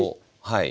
はい。